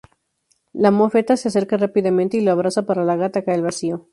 La mofeta se acerca rápidamente y la abraza, pero la gata cae al vacío.